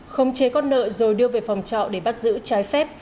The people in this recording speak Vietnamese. không chế con nợ rồi đưa về phòng trọ để bắt giữ trái phép